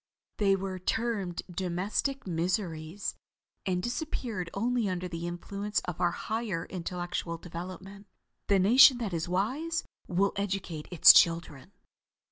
They were termed "domestic miseries," and disappeared only under the influence of our higher intellectual development. The nation that is wise will educate its children."